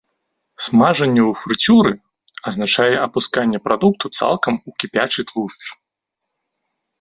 Смажанне ў фрыцюры азначае апусканне прадукту цалкам у кіпячы тлушч.